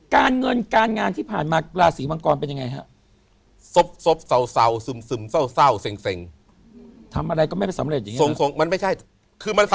แล้วก็ทุนได้ให้คนราศีมังกรมีโอกาสลงทุน